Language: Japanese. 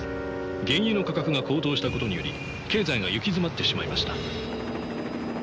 原油の価格が高騰したことにより経済が行き詰まってしまいました」。